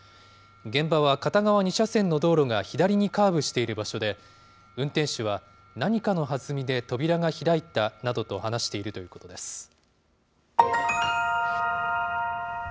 現場は片側２車線の道路が左にカーブしている場所で、運転手は、何かのはずみで扉が開いたなどと話しているということです。